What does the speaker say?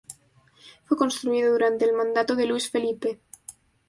Fue construido durante el mandato de Luis Felipe.